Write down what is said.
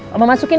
mama masukin ya